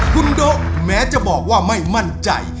คุณโดะแม้จะบอกว่าไม่มั่นใจ